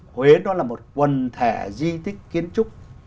huế đó là một quần thể di tích kiến trúc